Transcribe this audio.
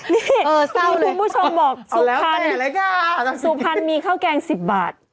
นี่คุณผู้ชมบอกสุพรรณสุพรรณมีข้าวแกง๑๐บาท